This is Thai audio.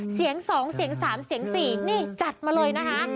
เสียงสองเสียงสามเสียงสี่นี่จัดมาเลยนะคะ